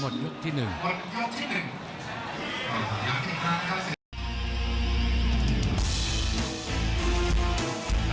หมดยกที่หนึ่ง